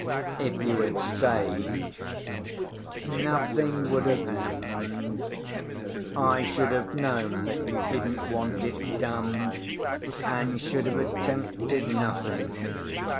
If you had stayed, nothing would have happened. I should have known that you didn't want it done, and should have attempted nothing.